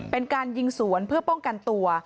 เป็นการยิงสวนเพื่อป้องกันตัว